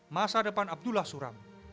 masa depan abdullah suram